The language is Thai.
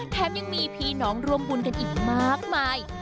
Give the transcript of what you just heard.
แถมยังมีพี่น้องร่วมบุญกันอีกมากมาย